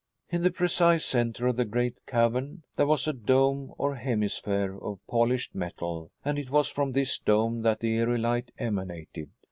In the precise center of the great cavern there was a dome or hemisphere of polished metal, and it was from this dome that the eery light emanated.